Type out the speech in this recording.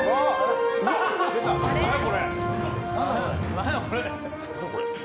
何やこれ？